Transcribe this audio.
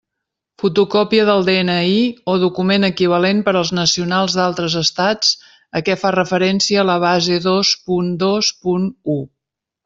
Fotocòpia del DNI, o document equivalent per als nacionals d'altres Estats a què fa referència la base dos punt dos punt u.